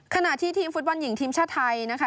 ขณะที่ทีมฟุตบอลหญิงทีมชาติไทยนะคะ